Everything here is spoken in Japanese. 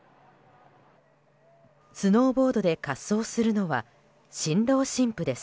スノーボードで滑走するのは新郎新婦です。